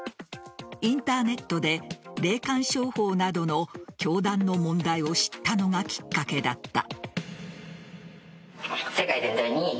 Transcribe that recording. インターネットで霊感商法などの教団の問題を知ったのがきっかけだった。